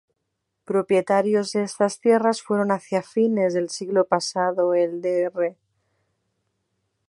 Propietarios de estas tierras fueron hacia fines del siglo pasado el Dr.